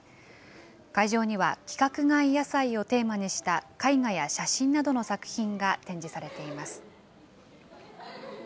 会場には規格外野菜をテーマにした絵画や写真などの作品が展示されています。